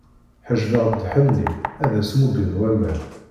Ḥejbeɣ-d lḥenni, ad as-muggen waman.